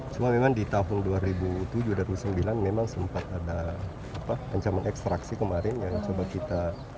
cuma memang di tahun dua ribu tujuh dua ribu sembilan memang sempat ada ancaman ekstraksi kemarin yang coba kita